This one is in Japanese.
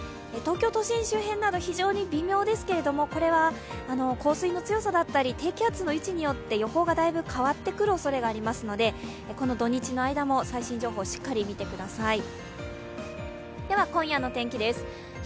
東京都心周辺など非常に微妙ですけれども、これは降水の強さだったり低気圧の位置によって予報がだいぶ変わってくるおそれがありますのでこの土日の間も最新情報、しっかり見てください。